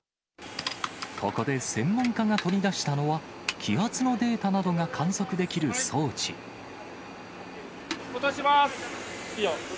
ここで専門家が取り出したのは、気圧のデータなどが観測でき落とします。